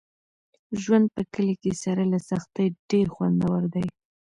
ژوند په کلي کې سره له سختۍ ډېر خوندور دی.